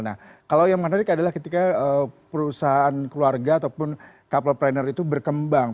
nah kalau yang menarik adalah ketika perusahaan keluarga ataupun couple planner itu berkembang